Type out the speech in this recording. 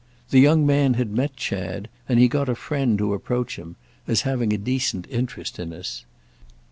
The young man had met Chad, and he got a friend to approach him—as having a decent interest in us.